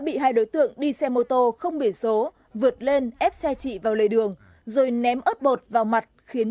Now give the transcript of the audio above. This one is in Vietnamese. bị hai đối tượng đi xe mô tô không biển số vượt lên ép xe chị vào lề đường rồi ném ớt bột vào mặt khiến